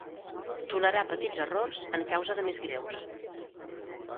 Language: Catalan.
Tolerar petits errors en causa de més greus.